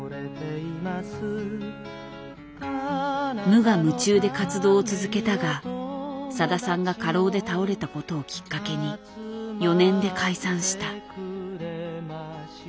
無我夢中で活動を続けたがさださんが過労で倒れたことをきっかけに４年で解散した。